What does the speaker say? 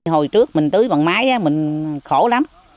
hồi trước mình tưới bằng máy mình khổ lắm